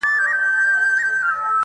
له ډېر غمه یې څښتن سو فریشانه.